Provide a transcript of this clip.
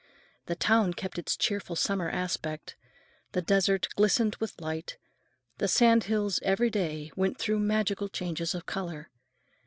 The town kept its cheerful summer aspect, the desert glistened with light, the sand hills every day went through magical changes of color.